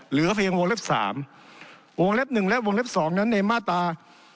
เหลือเพียงวงเล็บ๓วงเล็บ๑และวงเล็บ๒นั้นในมาตรา